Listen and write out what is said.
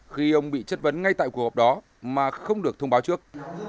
khi ông bị chất vấn ngay tại cuộc họp đó mà không được thông báo trước